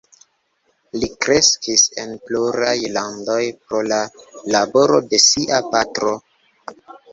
Li kreskis en pluraj landoj, pro la laboro de sia patro.